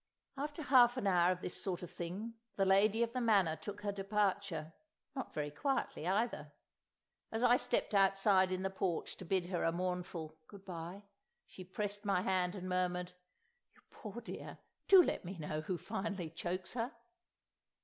After half an hour of this sort of thing the lady of the Manor took her departure—not very quietly either! As I stepped outside in the porch to bid her a mournful "Good bye," she pressed my hand and murmured— "You poor dear! Do let me know who finally chokes her!"